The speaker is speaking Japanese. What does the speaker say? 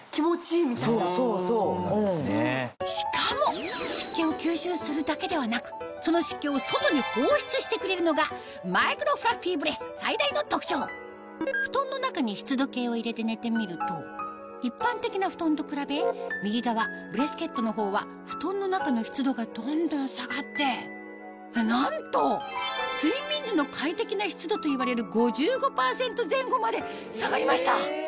しかも湿気を吸収するだけではなくその湿気を外に放出してくれるのがマイクロフラッフィーブレス最大の特徴布団の中に湿度計を入れて寝てみると一般的な布団と比べ右側ブレスケットの方は布団の中の湿度がどんどん下がってなんと睡眠時の快適な湿度といわれる５５％前後まで下がりました！